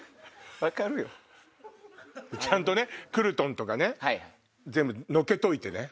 ちゃんとねクルトンとかね全部のけといてね。